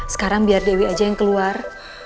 sekarang biar dewi aja yang keluar